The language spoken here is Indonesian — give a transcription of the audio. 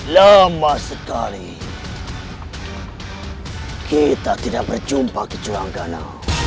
lama sekali kita tidak berjumpa kicor ranggana